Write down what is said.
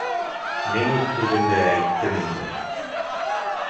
Мин үҙ һүҙемде әйттем инде.